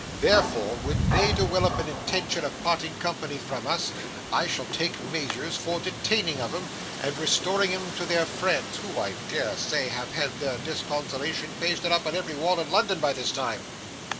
Therefore when they dewelope an intention of parting company from us, I shall take measures for detaining of 'em, and restoring 'em to their friends, who I dare say have had their disconsolation pasted up on every wall in London by this time.